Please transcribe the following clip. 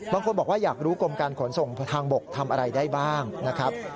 บางคนบอกว่าอยากรู้กรมการขนส่งทางบกทำอะไรได้บ้างนะครับ